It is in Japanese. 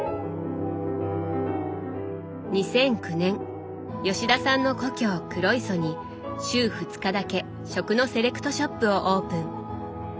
２００９年吉田さんの故郷黒磯に週２日だけ食のセレクトショップをオープン。